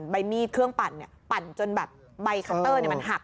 ใบมีดเครื่องปั่นปั่นจนแบบใบคัตเตอร์มันหัก